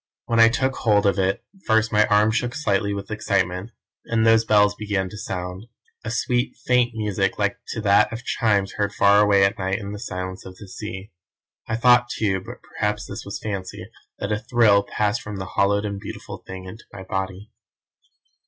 When I took hold of it first my arm shook slightly with excitement, and those bells began to sound; a sweet, faint music like to that of chimes heard far away at night in the silence of the sea. I thought too, but perhaps this was fancy, that a thrill passed from the hallowed and beautiful thing into my body.